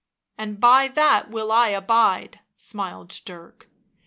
And by that will I abide," smiled Dirk.